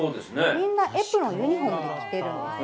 みんなエプロンをユニホームで着てるんです。